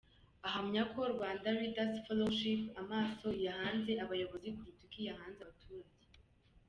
Ahamya ko Rwanda Leaders Fellowship amaso iyahanze abayobozi kuruta uko iyahanga abaturage.